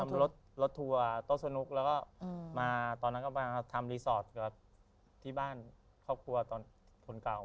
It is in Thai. รถรถทัวร์โต๊ะสนุกแล้วก็มาตอนนั้นก็มาทำรีสอร์ทกับที่บ้านครอบครัวตอนคนเก่า